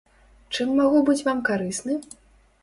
Чым магу быць вам карысны?